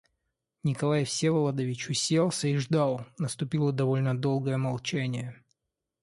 Николай Всеволодович уселся и ждал; наступило довольно долгое молчание.